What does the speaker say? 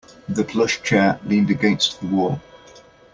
The plush chair leaned against the wall.